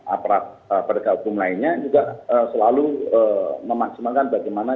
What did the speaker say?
aparat beragam lainnya juga selalu memaksimalkan bagaimana